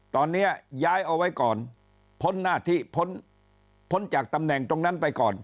ตอนนี้ย้ายเอาไว้ก่อนพ้นหน้าที่พ้นพ้นจากตำแหน่งตรงนั้นไปก่อน